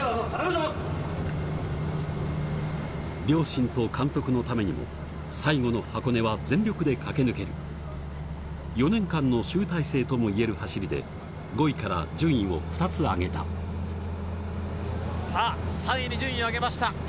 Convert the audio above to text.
両親と監督のためにも最後の箱根は全力で駆け抜ける４年間の集大成ともいえる走りで５位から順位を２つ上げたさぁ３位に順位を上げました。